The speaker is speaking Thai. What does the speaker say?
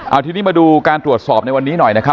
เอาทีนี้มาดูการตรวจสอบในวันนี้หน่อยนะครับ